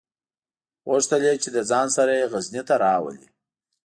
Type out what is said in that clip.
غوښتل یې چې له ځان سره یې غزني ته راولي.